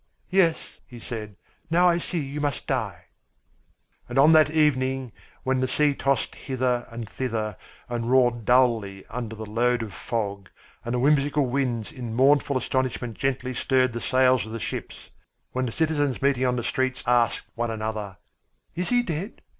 "Yes," he said, "now I see you must die." And on that evening when the sea tossed hither and thither and roared dully under the load of fog, and the whimsical wind in mournful astonishment gently stirred the sails of the ships; when the citizens meeting on the streets asked one another: "Is he dead?"